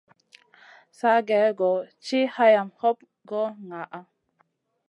Sa gèh-goh tiʼi hayam hoɓ goy ŋaʼa.